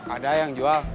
ada yang jual